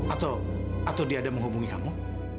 atau atau dia ada menghubungi kamu